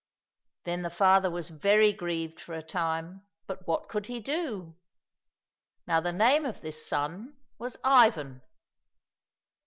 Then the father was very grieved for a time, but what could he do ? Now the name of this son was Ivan.